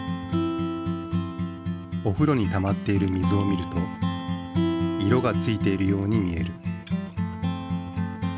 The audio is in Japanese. おふろにたまっている水を見ると色がついているように見える。